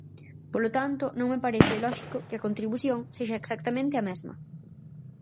Polo tanto, non me parece lóxico que a contribución sexa exactamente a mesma.